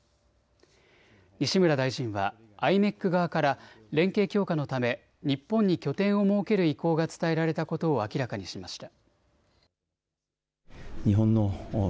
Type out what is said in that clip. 西村大臣はｉｍｅｃ側から連携強化のため日本に拠点を設ける意向が伝えられたことを明らかにしました。